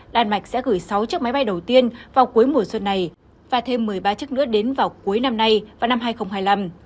đan mạch sẽ gửi sáu chiếc máy bay đầu tiên vào cuối mùa xuân này và thêm một mươi ba chiếc nữa đến vào cuối năm nay và năm hai nghìn hai mươi năm